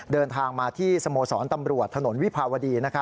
เดินทางมาที่สโมสรตำรวจถนนวิภาวดี